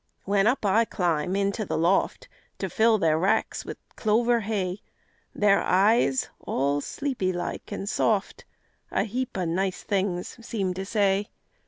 When up I climb into the loft To fill their racks with clover hay, Their eyes, all sleepy like and soft, A heap of nice things seem to say.